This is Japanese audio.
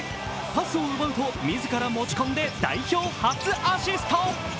パスを奪うと自ら持ち込んで代表初アシスト。